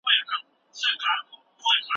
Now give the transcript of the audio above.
فارمسي پوهنځۍ بې ارزوني نه تایید کیږي.